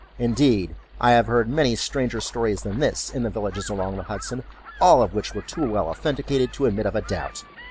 Indeed, I have heard many stranger stories than this, in the villages along the Hudson; all of which were too well authenticated to admit of a doubt.